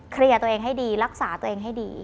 เคลียร์ตัวเองให้ดีรักษาตัวเองให้ดี